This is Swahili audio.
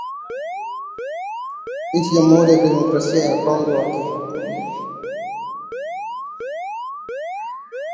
nchini Jamhuri ya Kidemokrasi ya Kongo wakituhumiwa